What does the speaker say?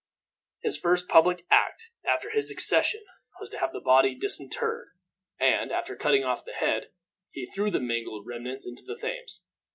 His first public act after his accession was to have the body disinterred, and, after cutting off the head, he threw the mangled remains into the Thames.